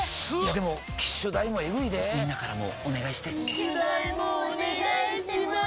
でも機種代もエグいでぇみんなからもお願いして機種代もお願いします